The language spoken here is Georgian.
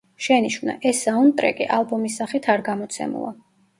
შენიშვნა: ეს საუნდტრეკი ალბომის სახით არ გამოცემულა.